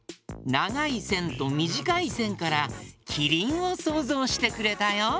ながいせんとみじかいせんからキリンをそうぞうしてくれたよ。